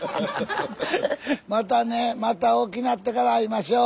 また大きなってから会いましょう。